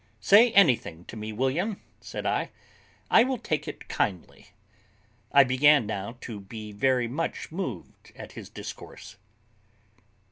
"Say anything to me, William," said I; "I will take it kindly." I began now to be very much moved at his discourse.